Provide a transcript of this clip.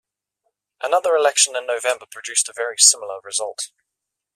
Another election in November produced a very similar result.